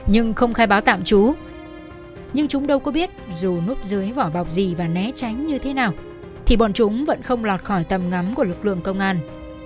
nhưng không khai báo tạm trú nhưng chúng đâu có biết dù núp dưới vỏ bọc gì và né tránh như thế nào thì bọn chúng vẫn không lọt khỏi tầm ngắm của lực lượng công an